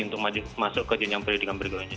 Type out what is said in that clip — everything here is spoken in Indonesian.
untuk masuk ke janjang pendidikan bergabungan